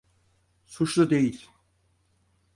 Suçlu değil.